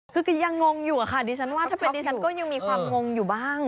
คือก็ยังงงอยู่อะค่ะดิฉันว่าถ้าเป็นดิฉันก็ยังมีความงงอยู่บ้าง